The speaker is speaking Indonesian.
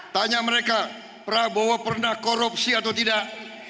tanya mereka prabowo pernah korupsi atau tidak